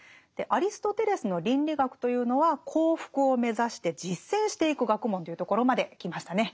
アリストテレスの倫理学というのは幸福を目指して実践していく学問というところまで来ましたね。